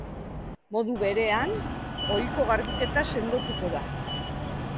Modu berean, ohiko garbiketa sendotuko da.